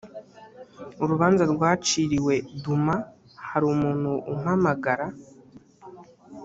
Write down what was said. urubanza rwaciriwe duma hari umuntu umpamagara